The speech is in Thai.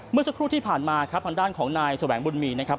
เมื่อสักครู่ที่ผ่านมาครับทางด้านของนายแสวงบุญมีนะครับ